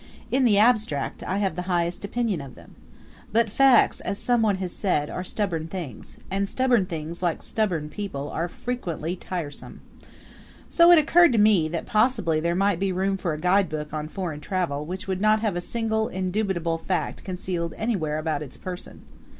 In the abstract I have the highest opinion of them. But facts, as someone has said, are stubborn things; and stubborn things, like stubborn people, are frequently tiresome. So it occurred to me that possibly there might be room for a guidebook on foreign travel which would not have a single indubitable fact concealed anywhere about its person.